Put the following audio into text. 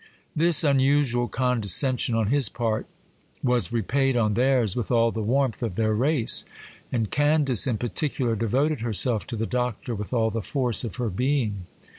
This unusual condescension on his part was repaid on theirs with all the warmth of their race; and Candace, in particular, devoted herself to the Doctor with all the force of her being.